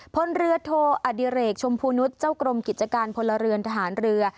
พลเรือโทอดิเรกชมพูนุษย์เจ้ากรมกิจการพลเรือนทหารเรือ